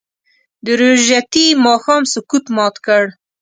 د روژتي ماښام سکوت مات کړه